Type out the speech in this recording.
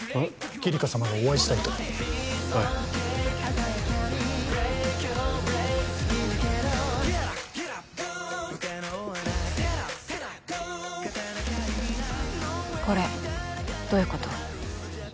キリカ様がお会いしたいとはいこれどういうこと？